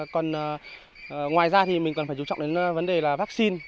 còn ngoài ra thì mình còn phải chú trọng đến vấn đề là vaccine